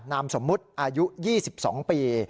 นามสมมุติอายุ๒๒ปี